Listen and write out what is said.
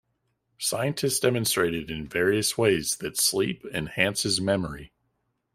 Scientists demonstrated in various ways that sleep enhances memory.